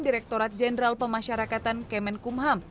direktorat jenderal pemasyarakatan kemenkumham